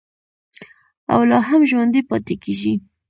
او لا هم ژوندی پاتې کیږي.